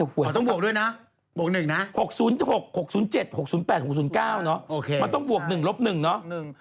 หยั่งรถพ่วง